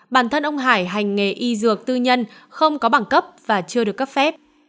bản thân ông hải hành nghề y dược tư nhân không có bằng cấp và chưa được cấp phép